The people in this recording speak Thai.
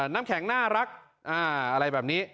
น้ำแข็งน่ารักอะไรแบบนี้